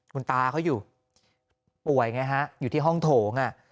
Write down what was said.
คุณตาเขาอยู่ป่วยไงฮะอยู่ที่ห้องโถง